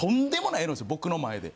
僕の前で。